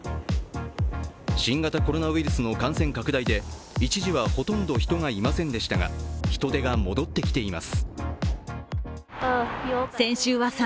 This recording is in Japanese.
新型コロナウイルスの感染拡大で一時は、ほとんど人がいませんでしたが、人出が戻ってきています。